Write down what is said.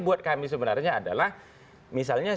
buat kami sebenarnya adalah misalnya